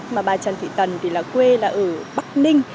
mà bà trần thị tần thì là quê là ở bắc ninh